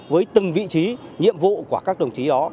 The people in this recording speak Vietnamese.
với từng vị trí nhiệm vụ của các đồng chí đó